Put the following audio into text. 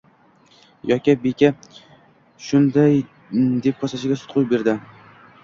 Yosh beka shunday deb kosachaga sut quyib berdi